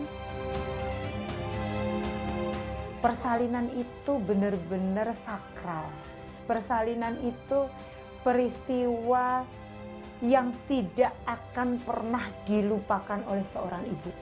dan persalinan itu benar benar sakral persalinan itu peristiwa yang tidak akan pernah dilupakan oleh seorang ibu